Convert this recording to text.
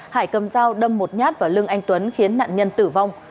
hải cầm dao đâm một nhát vào lưng anh tuấn khiến nạn nhân tử vong